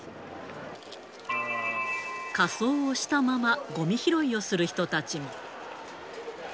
仮装をしたまま、ごみ拾いをする人たちも。